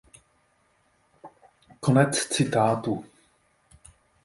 Konec citátu.